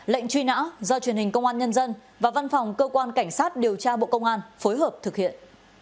lệnh truy nã do truyền hình công an nhân dân và văn phòng cơ quan cảnh sát điều tra bộ công an phối hợp thực hiện